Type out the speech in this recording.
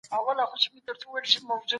دا اوږد لرګی دئ.